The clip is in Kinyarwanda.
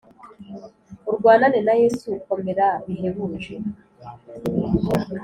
urwanane na yesu, komera bihebuje